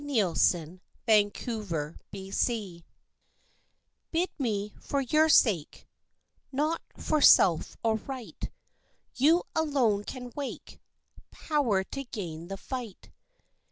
XXVIII For Your Sake Bid me for your sake, Not for self or right You alone can wake Power to gain the fight.